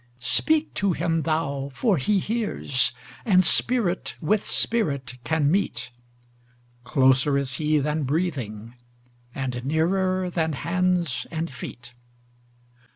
Speak to Him thou for He hears, and Spirit with Spirit can meet—Closer is He than breathing, and nearer than hands and feet.